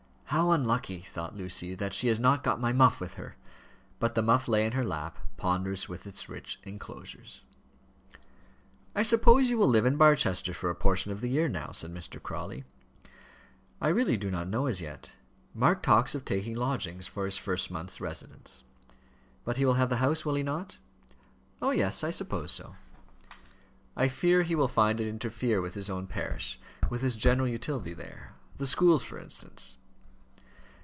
"How unlucky," thought Lucy, "that she has not got my muff with her!" But the muff lay in her lap, ponderous with its rich enclosures. "I suppose you will live in Barchester for a portion of the year now," said Mr. Crawley. "I really do not know as yet; Mark talks of taking lodgings for his first month's residence." "But he will have the house, will he not?" "Oh, yes; I suppose so." "I fear he will find it interfere with his own parish with his general utility there: the schools, for instance."